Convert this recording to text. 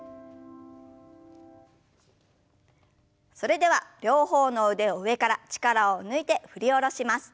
それでは両方の腕を上から力を抜いて振り下ろします。